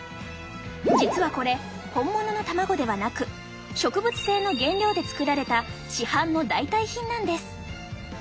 実はこれ本物の卵ではなく植物性の原料で作られた市販の代替品なんです。